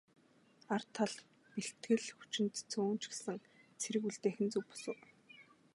Ар талд бэлтгэл хүчинд цөөн ч гэсэн цэрэг үлдээх нь зөв бус уу?